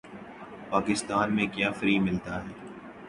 پاکستان میں کیا فری ملتا ہے